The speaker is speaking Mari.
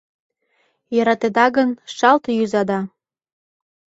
Йӧратеда гын, шалт йӱза да